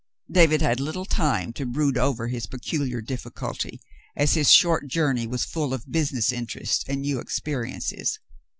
David had little time to brood over his peculiar difficulty. New Conditions 243 as his short journey was full of business interest and new experiences.